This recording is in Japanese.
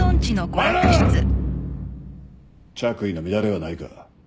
お前ら着衣の乱れはないか？